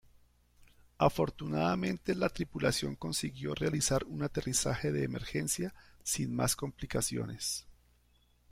Afortunadamente la tripulación consiguió realizar un aterrizaje de emergencia sin más complicaciones.